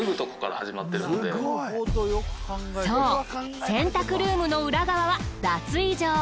そう洗濯ルームの裏側は。